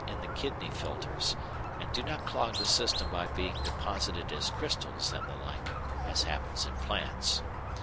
g. in the kidney filters, and do not clog the system by being deposited as crystals and the like, as happens in plants.